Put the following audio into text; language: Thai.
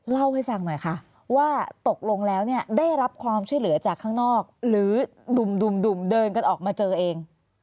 เล่าให้ฟังหน่อยค่ะว่าตกลงแล้วเนี่ยได้รับความช่วยเหลือจากข้างนอกหรือดุ่มเดินกันออกมาเจอเอง